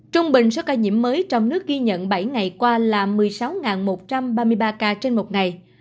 trung bình số ca nhiễm mới trong nước ghi nhận bảy ngày qua là một mươi sáu một trăm ba mươi ba ca trên một ngày